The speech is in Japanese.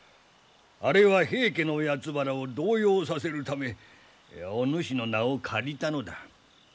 あれは平家のやつばらを動揺させるためお主の名を借りたのだ。